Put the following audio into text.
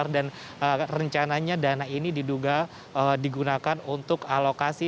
dan rencananya dana ini digunakan untuk alokasi